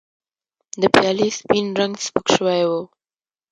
د پیالې سپین رنګ سپک شوی و.